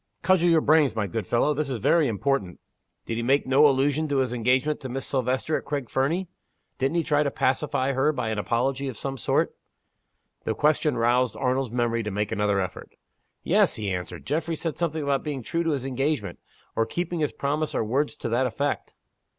"Cudgel your brains, my good fellow! this is very important. Did he make no allusion to his engagement to marry Miss Silvester at Craig Fernie? Didn't he try to pacify her by an apology of some sort?" The question roused Arnold's memory to make another effort. "Yes," he answered. "Geoffrey said something about being true to his engagement, or keeping his promise or words to that effect."